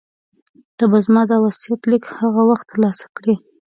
ته به زما دا وصیت لیک هغه وخت ترلاسه کړې.